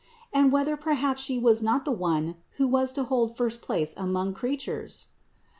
And whether perhaps She was not the one who was to hold first place among creatures ?